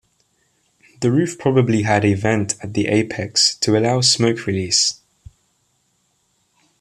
The roof probably had a vent at the apex to allow smoke release.